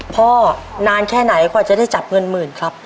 พ่อนานแค่ไหนกว่าจะได้จับเงินหมื่นครับ